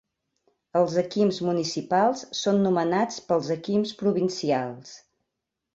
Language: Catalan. Els akims municipals són nomenats pels akims provincials.